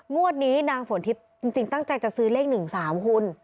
งวดนี้นางฝนทิพย์จริงตั้งใจจะซื้อเลข๑๓คุณ